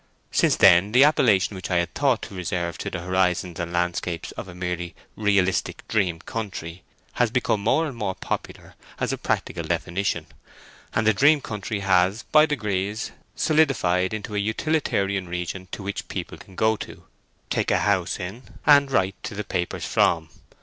Since then the appellation which I had thought to reserve to the horizons and landscapes of a merely realistic dream country, has become more and more popular as a practical definition; and the dream country has, by degrees, solidified into a utilitarian region which people can go to, take a house in, and write to the papers from.